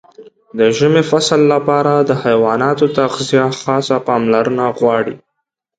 د ژمي فصل لپاره د حیواناتو تغذیه خاصه پاملرنه غواړي.